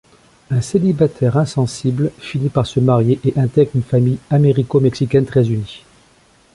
Un célibataire insensible finit par se marier et intègre une famille américo-mexicaine très unie.